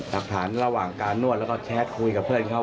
หลักฐานระหว่างการนวดแล้วก็แชทคุยกับเพื่อนเขา